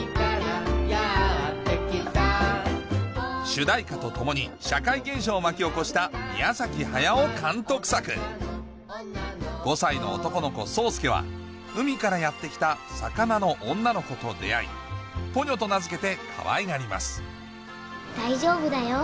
主題歌とともに社会現象を巻き起こした宮崎駿監督作５歳の男の子宗介は海からやって来たさかなの女の子と出会い「ポニョ」と名付けてかわいがります大丈夫だよ